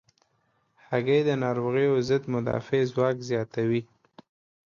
هګۍ د ناروغیو ضد مدافع ځواک زیاتوي.